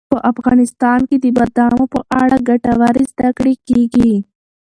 په افغانستان کې د بادامو په اړه ګټورې زده کړې کېږي.